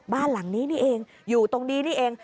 บ้านหลังนี้นี่เองอยู่ตรงนี้นี่เอง